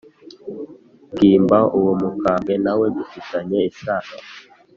Bwimba Uwo mukamwe nawe dufitanye isano